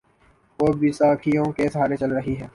وہ بیساکھیوں کے سہارے چل رہی ہے۔